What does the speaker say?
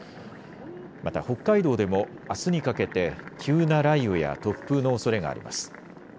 また北海道でもあすにかけて急な雷雨や突風のおそれがあります。